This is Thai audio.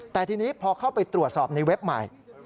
แต่ทีนี้พอเข้าไปตรวจสอบในเว็บใหม่